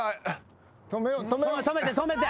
止めて止めて。